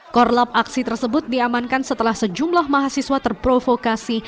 korlap aksi tersebut diamankan setelah sejumlah mahasiswa terprovokasi